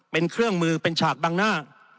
เป็นเครื่องมือเป็นฉากบังหน้า